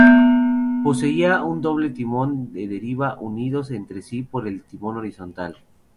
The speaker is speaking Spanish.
Poseía un doble timón de deriva unidos entre sí por el timón horizontal.